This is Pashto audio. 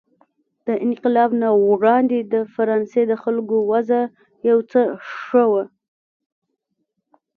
د انقلاب نه وړاندې د فرانسې د خلکو وضع یو څه ښه وه.